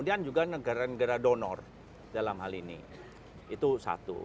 dan juga negara negara donor dalam hal ini itu satu